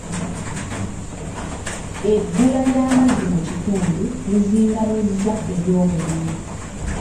Ebbula ly'amazzi mu kitundu lizingamizza ebyobulimi.